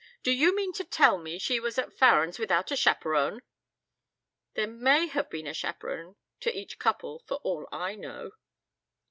D'you mean to tell me she was at Farren's without a chaperon?" "There may have been a chaperon to each couple for all I know."